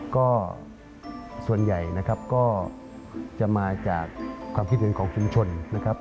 ก็ส่วนใหญ่นะครับก็จะมาจากความคิดเห็นของชุมชนนะครับ